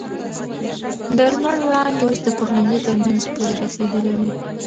د لمر وړانګې اوس د پخلنځي تر منځه پورې رسېدلې وې.